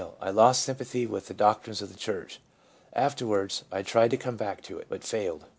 I lost sympathy with the doctrines of the church. Afterwards I tried to come back to it, but failed.